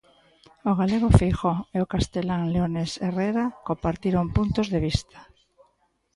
O galego Feijóo e o castelán leonés Herrera compartiron puntos de vista.